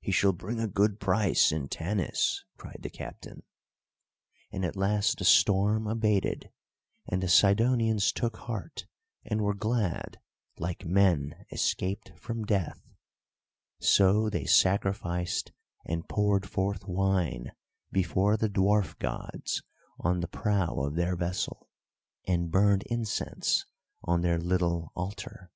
"He shall bring a good price in Tanis," cried the captain. And at last the storm abated, and the Sidonians took heart, and were glad like men escaped from death; so they sacrificed and poured forth wine before the dwarf gods on the prow of their vessel, and burned incense on their little altar.